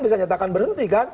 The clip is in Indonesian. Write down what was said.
bisa nyatakan berhenti kan